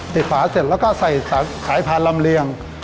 ฝาเสร็จแล้วก็ใส่สายพานลำเลียง